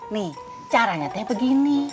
nih caranya kayak begini